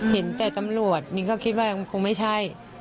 เห็นแต่ตำรวจมิ้นก็คิดว่าคงไม่ใช่